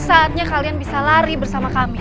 saatnya kalian bisa lari bersama kami